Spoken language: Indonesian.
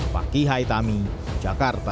pakihai tami jakarta